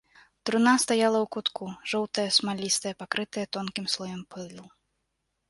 Труна стаяла ў кутку, жоўтая, смалістая, пакрытая тонкім слоем пылу.